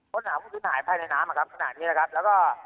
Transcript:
ค้นหาผู้สูญหายภายในน้ำอะครับขนาดนี้นะครับแล้วก็